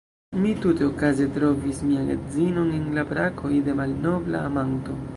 Mi tute okaze trovis mian edzinon en la brakoj de malnobla amanto!